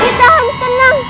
kita harus tenang